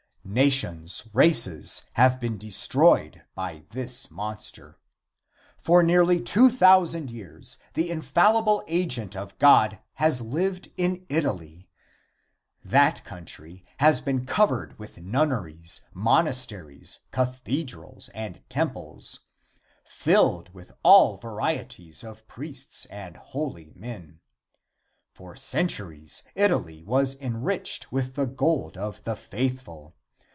Nations, races, have been destroyed by this monster. For nearly two thousand years the infallible agent of God has lived in Italy. That country has been covered with nunneries, monasteries, cathedrals and temples filled with all varieties of priests and holy men. For centuries Italy was enriched with the gold of the faithful.